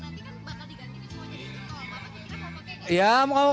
kalau mama pikirnya mau pakai gitu